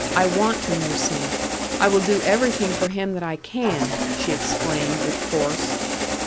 I want to nurse him. I will do everything for him that I can!" she exclaimed, with force.